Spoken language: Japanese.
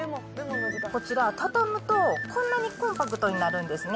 こちら、畳むとこんなにコンパクトになるんですね。